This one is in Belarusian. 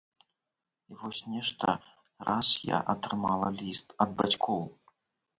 І вось нешта раз я атрымала ліст ад бацькоў.